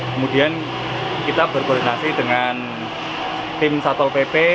kemudian kita berkoordinasi dengan tim satpol pp